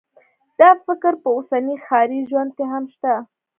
دا فکر په اوسني ښاري ژوند کې هم شته